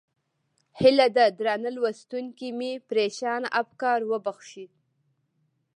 هیله ده درانه لوستونکي مې پرېشانه افکار وبښي.